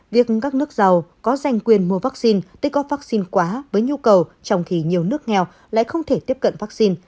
việc các nước giàu có danh quyền mua vaccine tới có vaccine quá với nhu cầu trong khi nhiều nước nghèo lại không thể tiếp cận vaccine